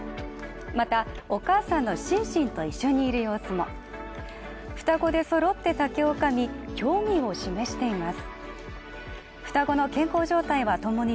また、お母さんのシンシンと一緒にいる様子も双子で揃って竹をかみ興味を示しています